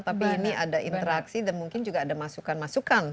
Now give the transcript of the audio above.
tapi ini ada interaksi dan mungkin juga ada masukan masukan